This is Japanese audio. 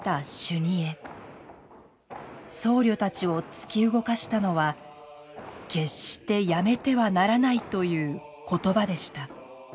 僧侶たちを突き動かしたのは決してやめてはならないという言葉でした。